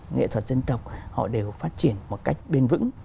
nghệ thuật dân tộc họ đều phát triển một cách bền vững